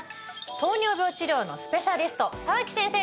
糖尿病治療のスペシャリスト澤木先生です